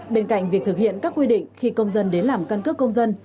bên cạnh việc thực hiện các quy định khi công dân đến làm căn cước công dân